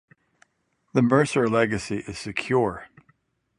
The Mercer legacy is secure.